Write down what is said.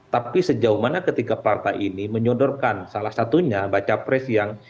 tapi sejauh mana ketika partai ini menyodorkan salah satunya baca pres yang